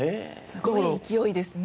すごい勢いですね。